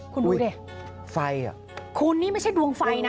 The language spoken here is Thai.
คุณดูดิไฟอ่ะคุณนี่ไม่ใช่ดวงไฟนะ